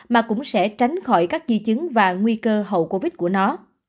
mà cũng sẽ tránh khỏi các di chứng và nguy cơ hậu covid của nó